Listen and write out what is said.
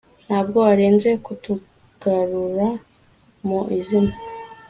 Ntabwo arenze kutugarura mu izina